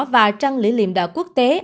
và trang lý liệm đỏ quốc tế